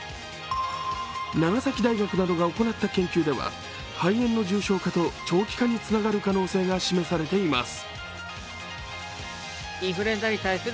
長崎大学などが行った研究では肺炎の重症化と長期化につながる可能性が示されています。